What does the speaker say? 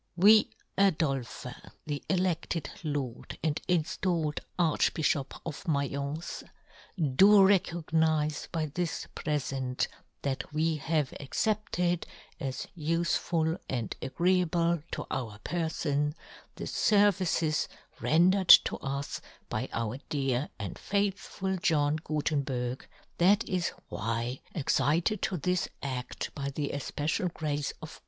*' We Adolphe the eleSled Lord and " injl ailed Archbijhop of Maience, do " recognize by this prefent, that we " have accepted, as ufeful and agree " able to our perfon, the fervices ren " dered to us by our dear and faithful *' John Gutenberg, that is why, excited " to this adl by the efpecial grace of "John Gutenberg.